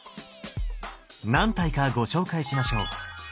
何体かご紹介しましょう。